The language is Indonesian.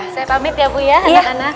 saya pamit ya bu ya anak anak